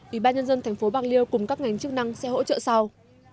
ủy ban nhân dân thành phố bạc liêu cùng các ngành chức năng sẽ hỗ trợ sau